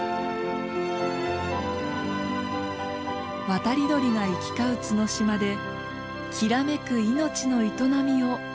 渡り鳥が行き交う角島できらめく命の営みを見つめます。